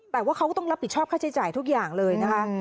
แต่ว่าเขาก็ต้องรับผิดชอบค่าใช้จ่ายทุกอย่างเลยนะคะ